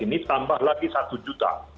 ini tambah lagi satu juta